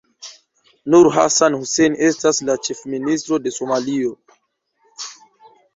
Nur Hassan Hussein estas la Ĉefministro de Somalio.